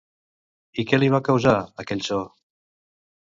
I què li va causar, aquell so?